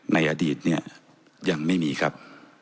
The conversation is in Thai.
ในอดีตเนี่ยยังไม่มีครับ